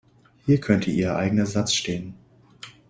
Hier könnte Ihr eigener Satz stehen.